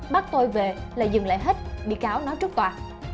bắt tôi về là dừng lại hết bị cáo nói trước tòa